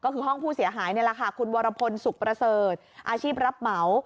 คือห้องผู้เสียหายคุณวรพนธ์สุขประเสริฐอาชีพรับเหมา